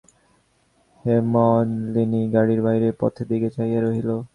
হেমনলিনী গাড়ির বাহিরে পথের দিকে চাহিয়া রহিল।